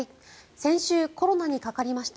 先週コロナにかかりました。